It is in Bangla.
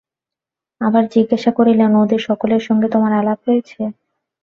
আবার জিজ্ঞাসা করিলেন, ওঁদের সকলের সঙ্গে তোমার আলাপ হয়েছে?